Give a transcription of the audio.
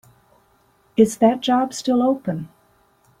Is that job still open?